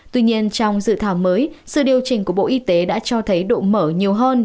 tuy nhiên trong dự thảo mới sự điều chỉnh của bộ y tế đã cho thấy độ mở nhiều hơn